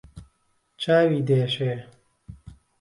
چاوی دێشێ